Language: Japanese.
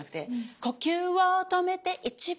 「呼吸を止めて１秒」